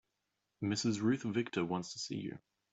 Mrs. Ruth Victor wants to see you.